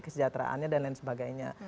kesejahteraannya dan lain sebagainya